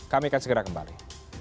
kami akan segera kembali